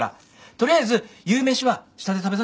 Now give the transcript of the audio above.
取りあえず夕飯は下で食べさしてもらえ。